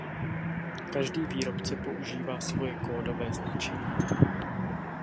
Každý výrobce používá svoje kódové značení.